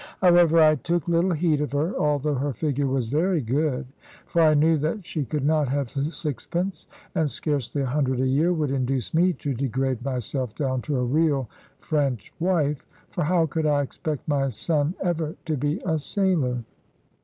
However, I took little heed of her, although her figure was very good; for I knew that she could not have sixpence, and scarcely a hundred a year would induce me to degrade myself down to a real French wife. For how could I expect my son ever to be a sailor?